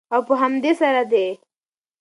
او په همدې سره د